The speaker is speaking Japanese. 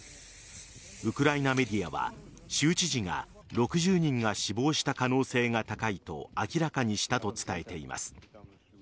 ウクライナメディアは州知事が６０人が死亡した可能性が高いと明らかにしたと伝えています。